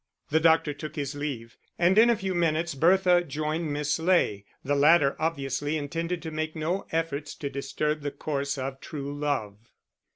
The doctor took his leave, and in a few minutes Bertha joined Miss Ley. The latter obviously intended to make no efforts to disturb the course of true love.